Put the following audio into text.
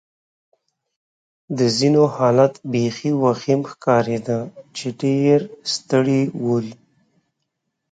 د ځینو حالت بېخي وخیم ښکارېده چې ډېر ستړي ول.